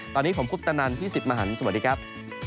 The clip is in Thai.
ตอนนี้ผมคุปตะนันพี่สิทธิ์มหันฯสวัสดีครับ